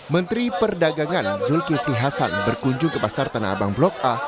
menteri perdagangan zulkifli hasan berkunjung ke pasar tanah abang blok a